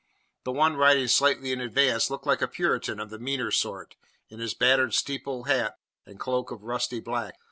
The one riding slightly in advance looked like a Puritan of the meaner sort, in his battered steeple hat and cloak of rusty black.